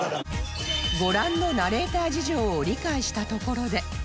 ご覧のナレーター事情を理解したところで